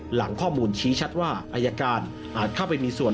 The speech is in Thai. หลังข้อมูลชี้ชัดว่าอายการอาจเข้าไปมีส่วน